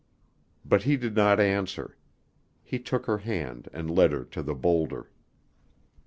But he did not answer. He took her hand and led her to the boulder.